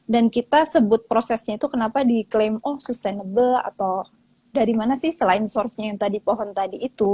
dan kita sebut prosesnya itu kenapa diklaim oh sustainable atau dari mana sih selain sourcenya yang tadi pohon tadi itu